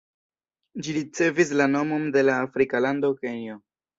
Ĝi ricevis la nomon de la afrika lando Kenjo.